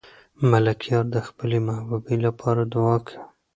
ملکیار د خپلې محبوبې لپاره دعا کوي.